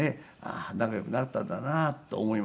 仲良くなったんだなと思いましたよ。